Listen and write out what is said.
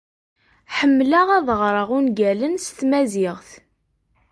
Ḥemmleɣ ad ɣreɣ ungalen s tmaziɣt.